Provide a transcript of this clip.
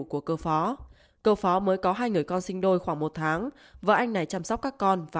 của cơ phó cơ phó mới có hai người con sinh đôi khoảng một tháng vợ anh này chăm sóc các con và